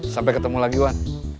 sampai ketemu lagi wan